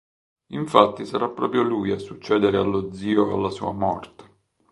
Infatti sarà proprio lui a succedere allo zio alla sua morte.